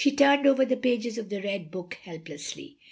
She tum^ over the pages of the Red book helplessly.